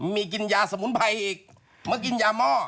มีกินยาสมุนไพรอีกมากินยาหม้อ